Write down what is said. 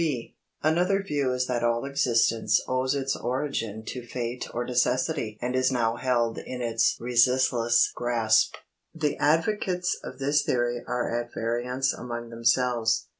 (b) Another view is that all existence owes its origin to Fate or Necessity and is now held in its resistless grasp. The advocates of this theory are at variance among themselves.